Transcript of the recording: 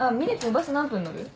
バス何分乗る？